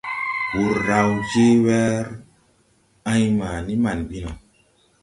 Wur raw je wer en ma ni man bi no.